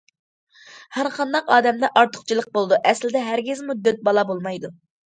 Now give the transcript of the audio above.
ھەر قانداق ئادەمدە ئارتۇقچىلىق بولىدۇ، ئەسلىدە ھەرگىزمۇ دۆت بالا بولمايدۇ.